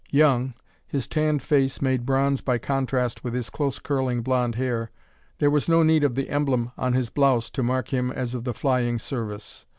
Young, his tanned face made bronze by contrast with his close curling blond hair, there was no need of the emblem on his blouse to mark him as of the flying service.